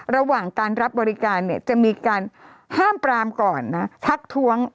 ระหว่างการรับบริการเนี่ยจะมีการห้ามปรามก่อนนะทักท้วง